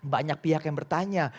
banyak pihak yang bertanya